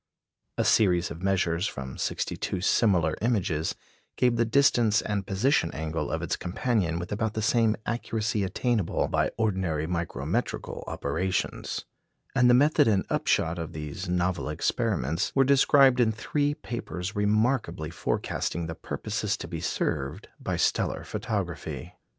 A series of measures from sixty two similar images gave the distance and position angle of its companion with about the same accuracy attainable by ordinary micrometrical operations; and the method and upshot of these novel experiments were described in three papers remarkably forecasting the purposes to be served by stellar photography.